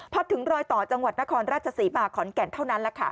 พอถึงรอยต่อจังหวัดนครราชสีมาขอนแก่นเท่านั้น